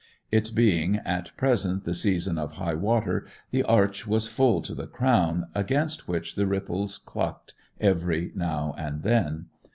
It being at present the season of high water the arch was full to the crown, against which the ripples clucked every now and then.